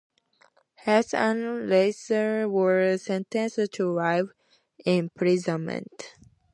Hess and Raeder were sentenced to life imprisonment.